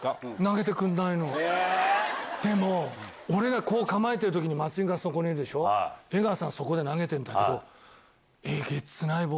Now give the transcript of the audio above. でも俺がこう構えてる時に松井がそこにいるでしょ江川さん投げてるんだけど。